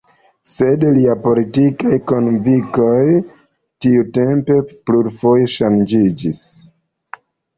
Sed lia politikaj konvinkoj tiutempe plurfoje ŝanĝiĝis.